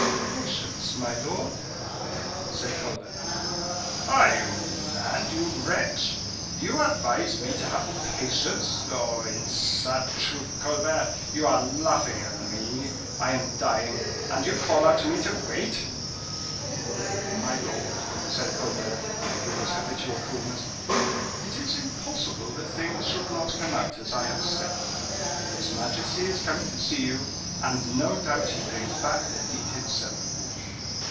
"Patience, my lord," said Colbert. "Are you mad, you wretch? You advise me to have patience! Oh, in sad truth, Colbert, you are laughing at me. I am dying and you call out to me to wait!" "My lord," said Colbert, with his habitual coolness, "it is impossible that things should not come out as I have said. His majesty is coming to see you, and no doubt he brings back the deed himself."